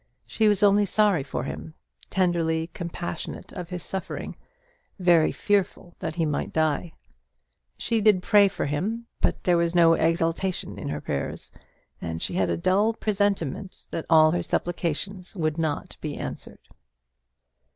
She was only sorry for him; tenderly compassionate of his suffering; very fearful that he might die. She did pray for him; but there was no exaltation in her prayers, and she had a dull presentiment that her supplications would not be answered.